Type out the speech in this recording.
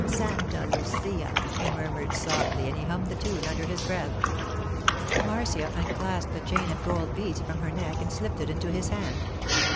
'Santa Lucia,' he murmured softly, and he hummed the tune under his breath. Marcia unclasped a chain of gold beads from her neck and slipped it into his hand.